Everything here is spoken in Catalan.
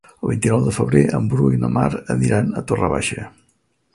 El vint-i-nou de febrer en Bru i na Mar aniran a Torre Baixa.